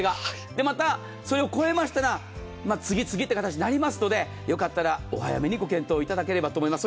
また、それを超えましたら次、次という形になりますのでよかったらお早めにご検討いただければと思います。